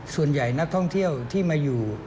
ส่วนใหญ่นักท่องเที่ยวที่มาอยู่